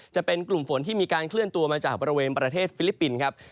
จะเป็นกลุ่มฝนที่มีการเคลื่อนตัวมาจากบริเวณประเทศฟิลิปปินส์ครับ